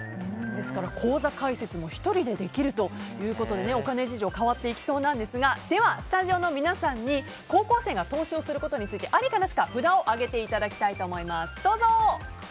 ですから、口座開設も１人でできるということでお金事情が変わっていきそうなんですがでは、スタジオの皆さんに高校生が投資をすることについてありか、なしか、札を上げていただきたいと思います。